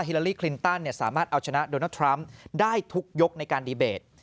ลาลีคลินตันสามารถเอาชนะโดนัลดทรัมป์ได้ทุกยกในการดีเบต